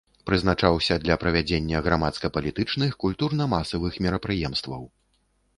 Прызначаўся для правядзення грамадска-палітычычных, культурна-масавых мерапрыемстваў.